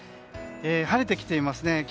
晴れてきていますね。